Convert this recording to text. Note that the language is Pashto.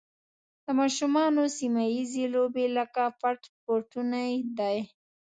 د ماشومانو سیمه ییزې لوبې لکه پټ پټونی دي.